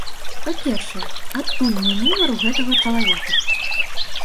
Па-першае, адкуль мой нумар у гэтага чалавека?